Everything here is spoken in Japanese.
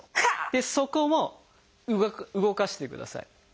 でそこも動かしてください。